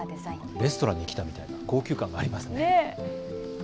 レストランに来たみたいな高級感がありますね。